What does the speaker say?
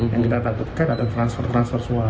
yang kita takutkan ada transfer transfer semua